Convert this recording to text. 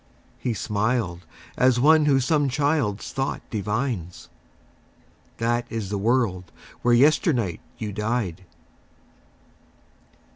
He smiled as one who some child's thought divines: "That is the world where yesternight you died."